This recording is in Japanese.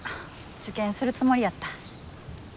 受験するつもりやった。